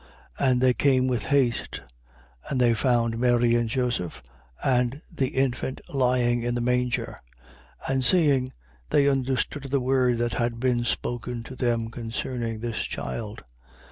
2:16. And they came with haste: and they found Mary and Joseph, and the infant lying in the manger. 2:17. And seeing, they understood of the word that had been spoken to them concerning this child.